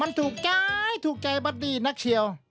มันถูกใจถูกใจบัตตี้นักเชียว